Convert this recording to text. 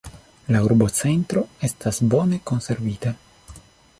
La urbocentro estas bone konservita.